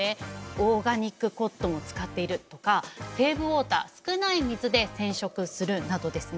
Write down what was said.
オーガニックコットンを使っているとかセーブウォーター少ない水で染色するなどですね